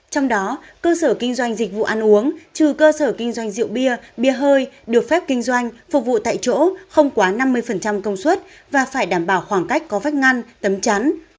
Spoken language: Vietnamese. trong đó cơ sở kinh doanh dịch vụ ăn uống trừ cơ sở kinh doanh rượu bia bia hơi được phép kinh doanh phục vụ tại chỗ không quá năm mươi công suất và phải đảm bảo khoảng cách có vách ngăn tấm chắn